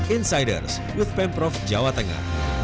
insiders with pemprov jawa tengah